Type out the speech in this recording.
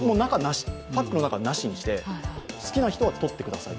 パックの中はなしにして、好きな人は取ってくださいと。